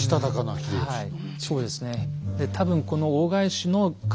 はいそうですね。